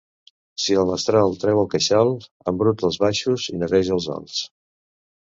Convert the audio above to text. Si el mestral treu el queixal, embruta els baixos i neteja els alts.